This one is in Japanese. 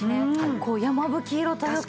こう山吹色というか。